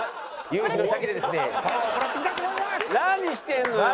「何してんのよ！」